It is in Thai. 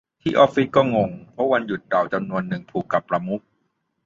ที่ออฟฟิศก็เคยงง เพราะวันหยุดเราจำนวนนึงผูกกับประมุข